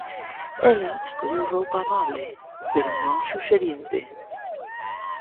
Ela escolleu roupa amable, pero non suxerinte.